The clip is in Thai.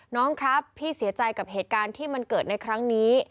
น้องครับพี่เสียใจกับเหตุการณ์ที่มันเกิดในครั้งนี้